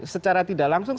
secara tidak langsung